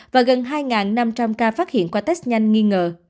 và gần hai năm trăm linh ca phát hiện qua test nhanh nghi ngờ